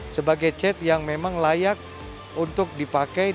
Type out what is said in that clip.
sebagai cet yang memang layak untuk dipakai dan memiliki karakteristik bisa ngegrip dengan roda